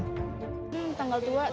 hmm tanggal tua tuh berapa